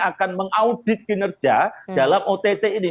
akan mengaudit kinerja dalam ott ini